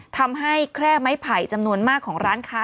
แค่ไม้ไผ่จำนวนมากของร้านค้า